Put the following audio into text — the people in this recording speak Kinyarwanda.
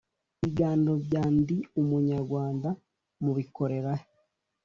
Ibiganiro bya Ndi Umunyarwanda mu bikorerahe.